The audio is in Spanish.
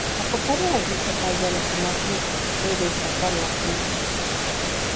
Acompañan a dicha talla las imágenes de San Pedro y San Juan Evangelista.